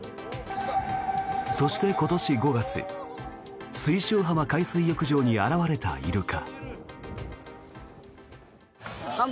そして、今年５月水晶浜海水浴場に現れたイルカ。